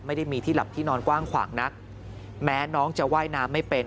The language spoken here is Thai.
ไม่ได้มีที่หลับที่นอนกว้างขวางนักแม้น้องจะว่ายน้ำไม่เป็น